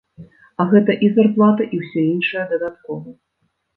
А гэта і зарплата, і ўсё іншае дадаткова.